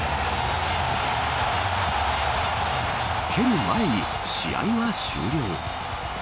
蹴る前に試合は終了。